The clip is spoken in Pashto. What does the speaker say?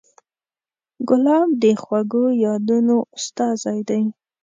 ګلاب د خوږو یادونو استازی دی.